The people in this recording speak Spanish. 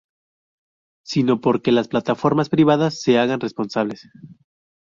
sino por que las plataformas privadas se hagan responsables